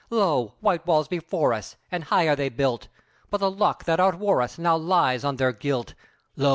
Lo! white walls before us, and high are they built; But the luck that outwore us now lies on their guilt; Lo!